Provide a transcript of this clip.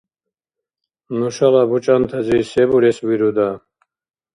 Нушала бучӀантази се бурес вируда?